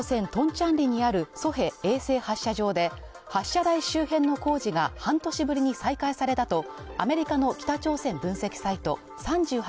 北朝鮮トンチャンリにあるソヘ衛星発射場で発射台周辺の工事が半年ぶりに再開されたと、アメリカの北朝鮮分析サイト３８